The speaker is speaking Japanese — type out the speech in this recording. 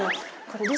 これ。